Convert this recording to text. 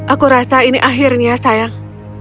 aku rasa ini akhirnya sayang